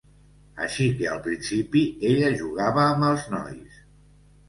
Així que al principi, ella jugava amb els nois.